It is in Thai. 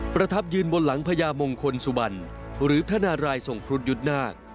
ประทับยืนบนหลังพระยามงคลสุวรรณหรือทนารายย์ทรงพรุธยุทนาค